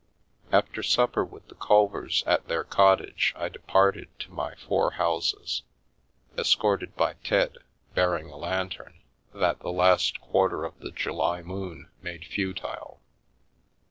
After supper with the Culvers at their cottage I de parted to my four houses, escorted by Ted bearing a lantern that the last quarter of the July moon made futile.